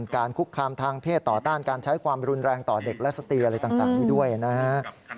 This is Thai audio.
คุกคามทางเพศต่อต้านการใช้ความรุนแรงต่อเด็กและสติอะไรต่างนี้ด้วยนะฮะ